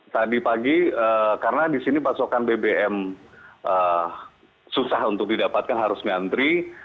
tadi pagi karena di sini pasokan bbm susah untuk didapatkan harus ngantri